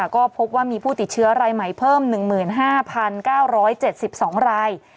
ก็พบว่ามีผู้ติดเชื้อรายใหม่เพิ่ม๑๕๙๗๒ราย